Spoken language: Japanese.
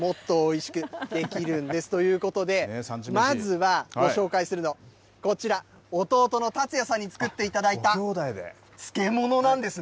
もっとおいしくできるんです、ということで、まずはご紹介するのはこちら、弟の達也さんに作ってごきょうだいで？